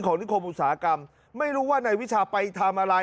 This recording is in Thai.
นิคมอุตสาหกรรมไม่รู้ว่านายวิชาไปทำอะไร